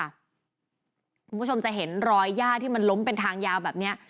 คุณผู้ชมจะเห็นรอยย่าที่มันล้มเป็นทางยาวแบบนี้